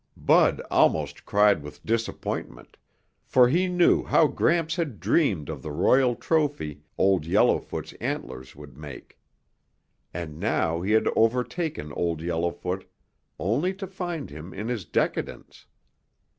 Bud almost cried with disappointment, for he knew how Gramps had dreamed of the royal trophy Old Yellowfoot's antlers would make. And now he had overtaken Old Yellowfoot only to find him in his decadence.